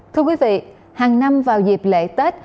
thưa quý vị hàng năm vào dịp lễ tết